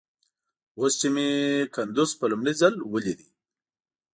اوس چې مې کندوز په لومړي ځل وليد.